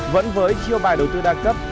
vẫn với chiêu bài đầu tư đa cấp